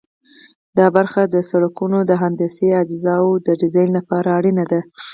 دا برخه د سرکونو د هندسي اجزاوو د ډیزاین لپاره اړینه ده